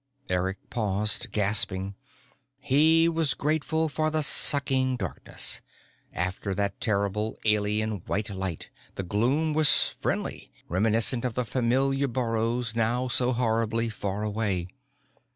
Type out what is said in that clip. _ Eric paused, gasping. He was grateful for the sucking darkness. After that terrible, alien white light, the gloom was friendly, reminiscent of the familiar burrows now so horribly far away.